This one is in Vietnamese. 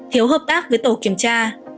thiếu hợp tác với tổ kiểm tra